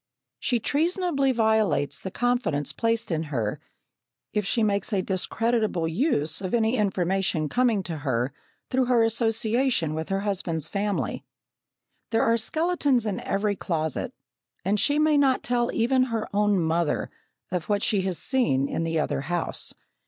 She treasonably violates the confidence placed in her if she makes a discreditable use of any information coming to her through her association with her husband's family. There are skeletons in every closet, and she may not tell even her own mother of what she has seen in the other house.